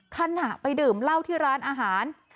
ขณะไปดื่มเหล้าที่ร้านอาหาร